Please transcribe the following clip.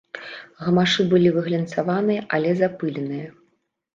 Гамашы былі выглянцаваныя, але запыленыя.